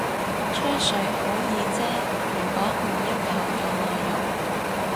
吹水好易啫，如果唔要求有內容